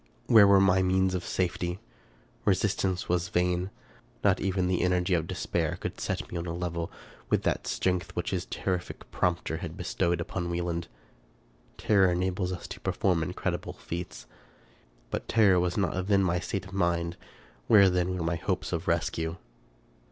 Where were my means of safety? Resistance was vain. Not even the energy of de spair could set me on a level with that strength which his terrific prompter had bestowed upon Wieland. Terror enables us to perform incredible feats ; but terror was not then the state of my mind: where then were my hopes of rescue